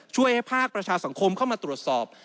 ช่วยให้ภาคประชาสังคมเข้ามาตรวจสอบ